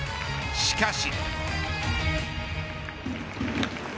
しかし。